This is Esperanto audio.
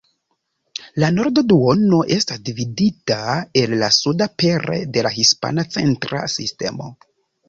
La norda duono estas dividita el la suda pere de la Hispana Centra Sistemo.